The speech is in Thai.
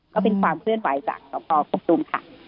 ก็เป็นความเพื่อนไวจากต่อควบคุมค่ะ